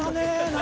何？